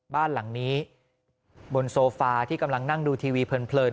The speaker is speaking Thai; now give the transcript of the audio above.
บ้านหลังนี้บนโซฟาที่กำลังนั่งดูทีวีเพลิน